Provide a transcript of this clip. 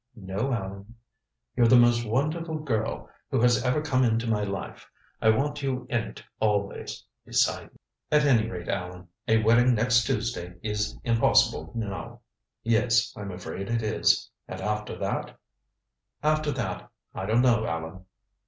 "No, Allan." "You're the most wonderful girl who has ever come into my life I want you in it always beside me " "At any rate, Allan, a wedding next Tuesday is impossible now." "Yes, I'm afraid it is. And after that " "After that I don't know, Allan."